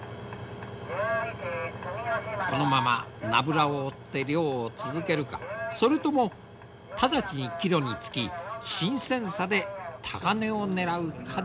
このままナブラを追って漁を続けるかそれとも直ちに帰路につき新鮮さで高値を狙うかである。